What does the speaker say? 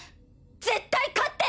絶対勝って！